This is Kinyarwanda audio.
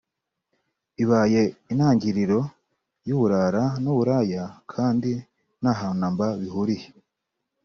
ibaye intangiriro y’uburara n’uburaya kandi nta hantu namba bihuriye